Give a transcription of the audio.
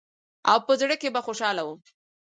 او په زړه کښې به خوشاله وم.